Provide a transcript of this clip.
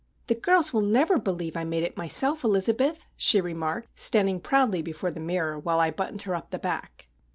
"The girls will never believe I made it myself, Elizabeth," she remarked, standing proudly before the mirror while I buttoned her up the back.